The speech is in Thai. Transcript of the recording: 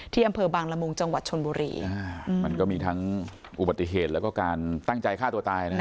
อำเภอบางละมุงจังหวัดชนบุรีอ่ามันก็มีทั้งอุบัติเหตุแล้วก็การตั้งใจฆ่าตัวตายนะฮะ